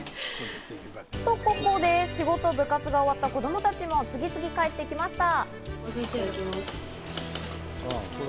と、ここで仕事、部活が終わった子供たちが次々帰ってきました。